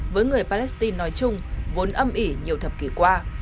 với người palestine nói chung vốn âm ỉ nhiều thập kỷ qua